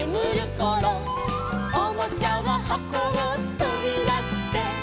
「おもちゃははこをとびだして」